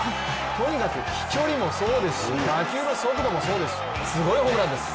とにかく飛距離もそうですし打球の速度もそうですし、すごいホームランです。